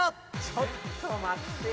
ちょっと待ってよ。